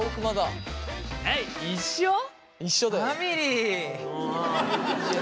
一緒だよ。